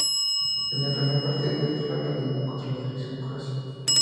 En el primer partido fue titular, perdiendo contra la Selección de Croacia.